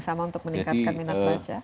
sama untuk meningkatkan minat baca